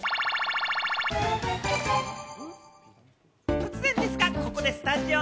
突然ですが、ここでスタジオ